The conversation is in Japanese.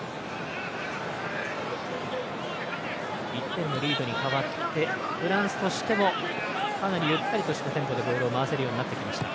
１点のリードに変わってフランスとしてもゆったりとしたテンポでまわせるようになりました。